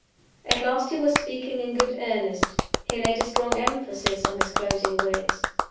At last he was speaking in good earnest: he laid a strong emphasis on his closing words.